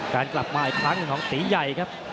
การกลับมาอีกครั้งหนึ่งของตีใหญ่ครับ